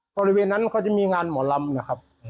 บริเวณนั้นเขาจะมีงานหมอลำนะครับ